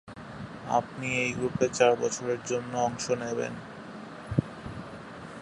আপনি এই গ্রুপে চার বছরের জন্য অংশ নেবেন।